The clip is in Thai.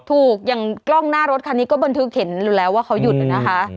อย่างกล้องหน้ารถคันนี้ก็บันทึกเห็นอยู่แล้วว่าเขาหยุดนะคะ